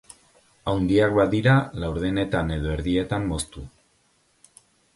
Handiak badira, laurdenetan edo erdietan moztu.